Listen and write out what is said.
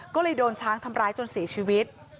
ก็เลยโดนช้างทำร้ายจนเสียชีวิต